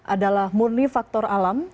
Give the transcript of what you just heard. adalah murni faktor alam